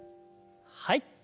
はい。